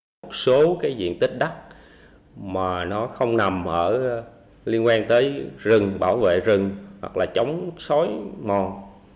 một số cái diện tích đất mà nó không nằm ở liên quan tới rừng bảo vệ rừng hoặc là chống sói mòn